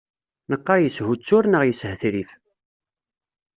Neqqar yeshuttur neɣ yeshetrif.